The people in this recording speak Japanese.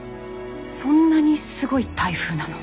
そんなにすごい台風なの？